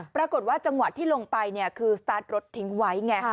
ปรากฏว่าจังหวะที่ลงไปคือสตาร์ทรถทิ้งไว้ไง